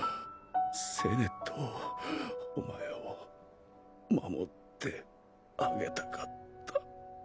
セネットお前を守ってあげたかった。